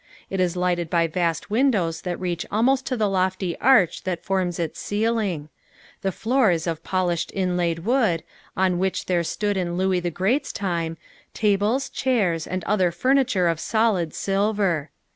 It is lighted by vast windows that reach almost to the lofty arch that forms its ceiling; the floor is of polished inlaid wood, on which there stood in Louis the Great's time, tables, chairs, and other furniture of solid silver.